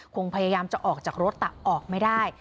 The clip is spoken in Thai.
คงพยายามจะออกจากรถแต่ออกไม่ได้